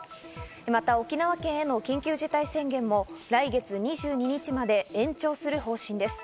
また沖縄県への緊急事態宣言も来月２２日まで延長する方針です。